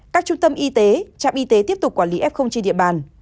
các trung tâm y tế trạm y tế tiếp tục quản lý f trên địa bàn